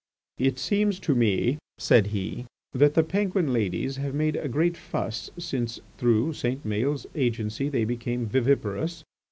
"It seems to me," said he, "that the Penguin ladies have made a great fuss since, through St. Maël's agency, they became viviparous.